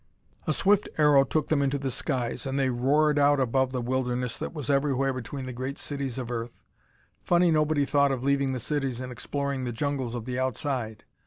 A swift aero took them into the skies and they roared out above the wilderness that was everywhere between the great cities of earth. Funny nobody thought of leaving the cities and exploring the jungles of the outside.